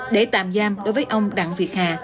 để tạm giam đối với ông đặng việt hà